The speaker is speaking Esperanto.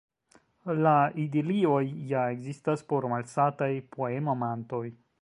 La idilioj ja ekzistas por malsataj poemamantoj.